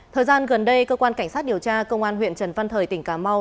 thời gian gần đây cơ quan cảnh sát điều tra công an huyện trần văn thời tỉnh cà mau